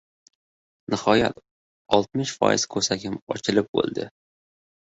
Nihoyat — oltmish foiz ko‘sagim ochilib bo‘ldi.